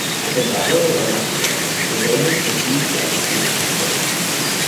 At the Battle of Alesia, the Romans besieged and defeated his forces.